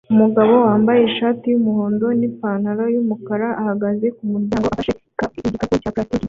Umugabo wambaye ishati yumuhondo nipantaro yumukara ahagaze kumuryango ufashe igikapu cya plastiki